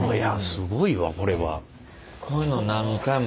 すごいわこれは。